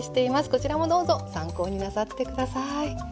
こちらもどうぞ参考になさって下さい。